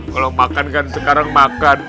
kalau makan kan sekarang makan